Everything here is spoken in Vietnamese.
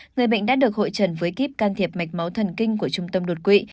người bệnh đã được hội trần với kíp can thiệp mạch máu thần kinh của trung tâm đột quỵ